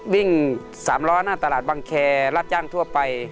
วิ่ง๓ล้อหน้าตลาดบังแคร์รับจ้างทั่วไป